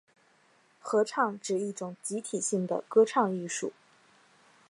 合唱指一种集体性的歌唱艺术。